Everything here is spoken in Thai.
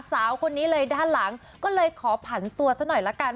สาวคนนี้เลยด้านหลังก็เลยขอผันตัวซะหน่อยละกัน